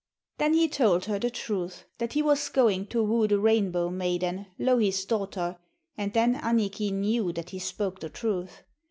Then he told her the truth, that he was going to woo the Rainbow maiden, Louhi's daughter, and then Annikki knew that he spoke the truth.